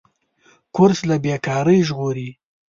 کورس له بېکارۍ ژغوري.